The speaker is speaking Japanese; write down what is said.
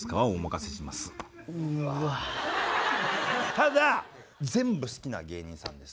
ただ全部好きな芸人さんです。